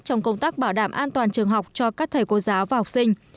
trong công tác bảo đảm an toàn trường học cho các thầy cô giáo và học sinh